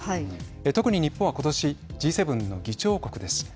特に日本はことしＧ７の議長国です。